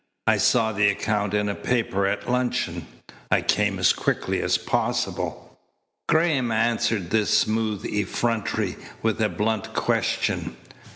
I saw the account in a paper at luncheon. I came as quickly as possible." Graham answered this smooth effrontery with a blunt question.